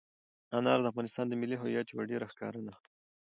انار د افغانستان د ملي هویت یوه ډېره ښکاره نښه ده.